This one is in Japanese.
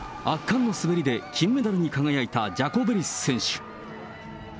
圧巻の滑りで金メダルに輝いたジャコベリス選手。